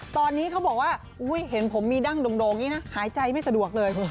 ตอนนี้เขาบอกว่าเห็นผมมีดั้งโด่งอย่างนี้นะหายใจไม่สะดวกเลย